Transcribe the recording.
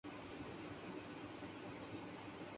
ہم غلام نہ تھے۔